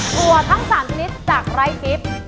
ถั่วทั้งสามชนิดจากไร้ทิศ